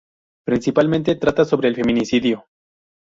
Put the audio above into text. Principalmente trata sobre el feminicidio.